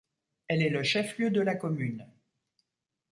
Elle est le chef-lieu de la commune.